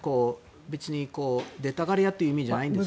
別に出たがり屋という意味じゃないですが。